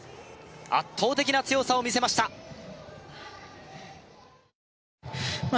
圧倒的な強さをみせましたまあ